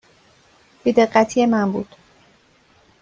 بی دقتی من بود.